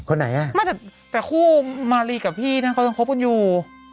คนไหนหรือไม่แต่คู่มารีด์กับพี่มันคงพบกันอยู่